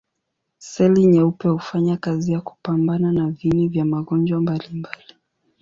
Seli nyeupe hufanya kazi ya kupambana na viini vya magonjwa mbalimbali.